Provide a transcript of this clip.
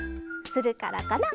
するからかな？